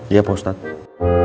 iya pak ustadz